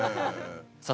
さあ